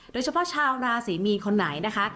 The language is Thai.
โดยเฉพาะชาวราศรีมีนคนไหนนะคะ